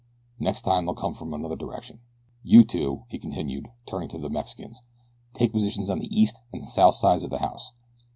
Next time they'll come from another direction. You two," he continued, turning to the Mexicans, "take positions on the east and south sides of the house.